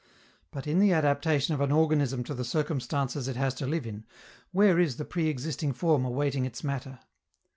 But, in the adaptation of an organism to the circumstances it has to live in, where is the pre existing form awaiting its matter?